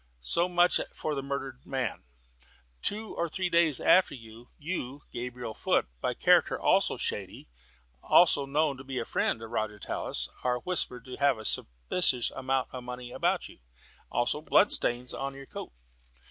So much for the murdered man. Two or three days after, you, Gabriel Foot, by character also shady, and known to be a friend of Roger Tallis, are whispered to have a suspicious amount of money about you, also blood stains on your coat.